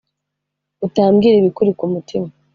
utambwira ibikuri ku mutima